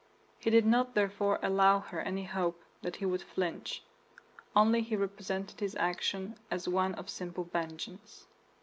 He did not therefore allow her any hope that he would flinch; only he represented his action as one of simple vengeance.